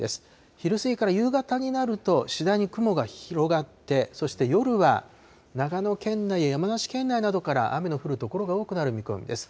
昼過ぎから夕方になると、次第に雲が広がって、そして夜は、長野県内や山梨県内などから雨の降る所が多くなる見込みです。